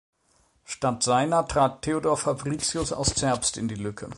Statt seiner trat Theodor Fabricius aus Zerbst in die Lücke.